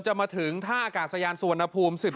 จะมาถึงถ้าอากาศยาลสุวรรณภูมิ๑๐น๓๕น